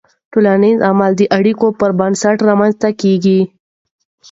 ټولنیز عمل د اړیکو پر بنسټ رامنځته کېږي.